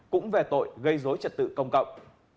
cũng về tội gây dối trật tự công cộng